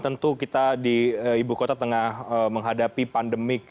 tentu kita di ibu kota tengah menghadapi pandemik